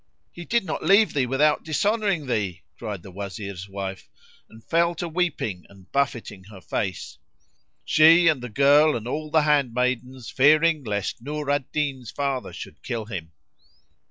"He did not leave thee without dishonouring thee!" cried the Wazir's wife and fell to weeping and buffetting her face, she and the girl and all the handmaidens, fearing lest Nur al Din's father should kill him.